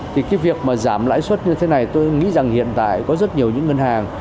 thì cái việc mà giảm lãi suất như thế này tôi nghĩ rằng hiện tại có rất nhiều những ngân hàng